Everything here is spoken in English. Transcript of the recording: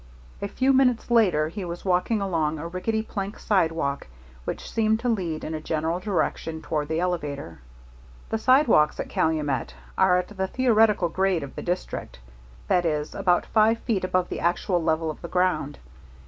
A few minutes later he was walking along a rickety plank sidewalk which seemed to lead in a general direction toward the elevator. The sidewalks at Calumet are at the theoretical grade of the district, that is, about five feet above the actual level of the ground.